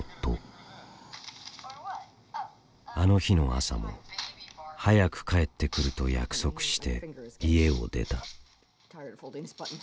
あの日の朝も早く帰ってくると約束して家を出た。